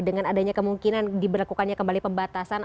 dengan adanya kemungkinan diberlakukannya kembali pembatasan